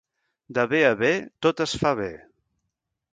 De bé a bé tot es fa bé.